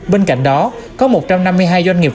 bên cạnh đó có một trăm năm mươi hai doanh nghiệp